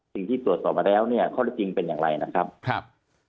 สิ่งที่ตรวจสอบมาแล้วเนี่ยข้อได้จริงเป็นอย่างไรนะครับครับ